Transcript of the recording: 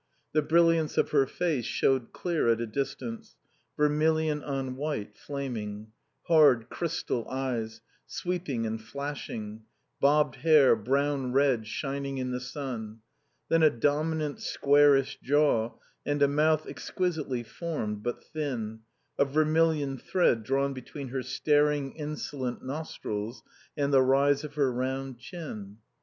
The brilliance of her face showed clear at a distance, vermilion on white, flaming; hard, crystal eyes, sweeping and flashing; bobbed hair, brown red, shining in the sun. Then a dominant, squarish jaw, and a mouth exquisitely formed, but thin, a vermilion thread drawn between her staring, insolent nostrils and the rise of her round chin.